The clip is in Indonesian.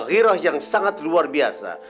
hiroh yang sangat luar biasa